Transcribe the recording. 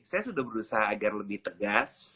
saya sudah berusaha agar lebih tegas